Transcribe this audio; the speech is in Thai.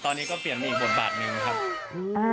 ตอนนี้ก็เปลี่ยนมีอีกบทบาทหนึ่งครับ